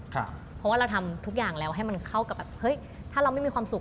เพราะว่าเราทำทุกอย่างแล้วให้มันเข้ากับแบบเฮ้ยถ้าเราไม่มีความสุข